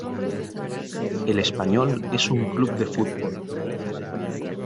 El Espanyol es un club de fútbol.